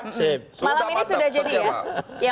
malam ini sudah jadi ya